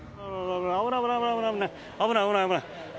危ない危ない！